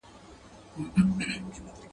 د خلگو زور د خداى زور دئ.